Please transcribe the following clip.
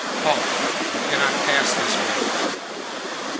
"Halt! You cannot pass this way."